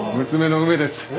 娘の梅です。